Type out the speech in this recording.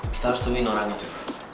kita harus temuin orang itu